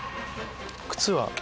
靴は？